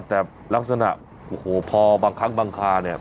แต่ลักษณะโอ้โหพอบางครั้งบางคาเนี่ย